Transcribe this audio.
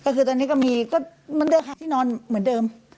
ก็คือตอนนี้ก็มีก็เหมือนเดิมค่ะที่นอนเหมือนเดิม